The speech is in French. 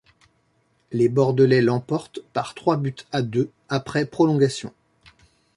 Les Bordelais l'emportent par trois buts à deux après prolongations.